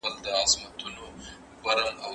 مشران بايد ځوانانو ته لارښوونه وکړي.